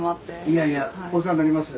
いやいやお世話になります。